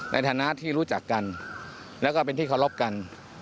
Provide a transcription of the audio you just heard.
ในฐานะที่รู้จักกันแล้วก็เป็นที่เคารพกัน